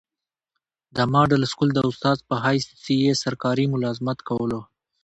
دمډل سکول د استاذ پۀ حيث ئي سرکاري ملازمت کولو